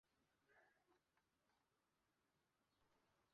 凹睾棘缘吸虫为棘口科棘缘属的动物。